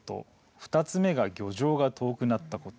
２つ目が漁場が遠くなったこと。